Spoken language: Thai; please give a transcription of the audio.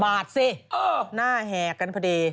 บาทสิหน้าแห่กันพอดี